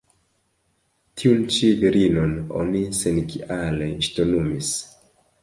Tiun ĉi virinon oni senkiale ŝtonumis.